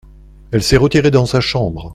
Elle s’est retirée dans sa chambre.